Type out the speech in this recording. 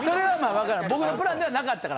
僕のプランではなかったから。